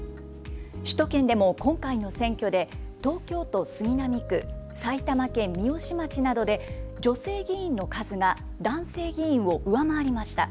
首都圏でも今回の選挙で東京都杉並区、埼玉県三芳町などで女性議員の数が男性議員を上回りました。